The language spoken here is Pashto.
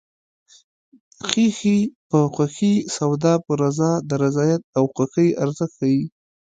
خیښي په خوښي سودا په رضا د رضایت او خوښۍ ارزښت ښيي